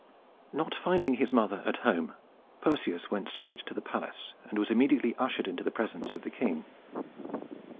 Not finding his mother at home, Perseus went straight to the palace, and was immediately ushered into the presence of the king.